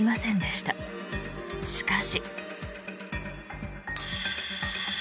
しかし。